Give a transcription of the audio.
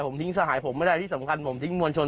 ผมทิ้งสหายผมไม่ได้ที่สำคัญผมทิ้งมวลชน